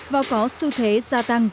và có xu thế gia tăng